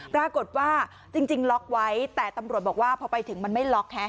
ปรากฏว่าจริงล็อกไว้แต่ตำรวจบอกว่าพอไปถึงมันไม่ล็อก